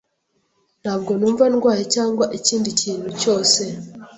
Ntabwo numva ndwaye cyangwa ikindi kintu cyose.